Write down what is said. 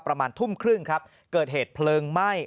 ประมาณทุ่มครึ่งครับเกิดเหตุเพลิงไหม้